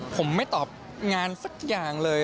ผมไม่ตอบงานสักอย่างเลย